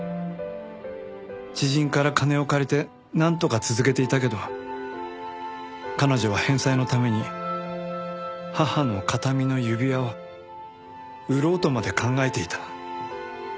知人から金を借りてなんとか続けていたけど彼女は返済のために母の形見の指輪を売ろうとまで考えていた。